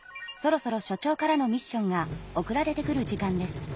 そろそろ所長からのミッションが送られてくる時間です。